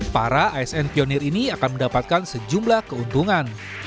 para asn pionir ini akan mendapatkan sejumlah keuntungan